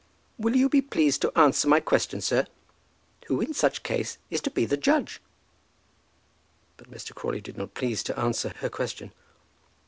"Will you be pleased to answer my question, sir? Who, in such a case, is to be the judge?" But Mr. Crawley did not please to answer her question.